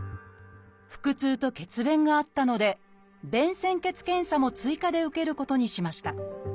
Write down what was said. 腹痛と血便があったので「便潜血検査」も追加で受けることにしました。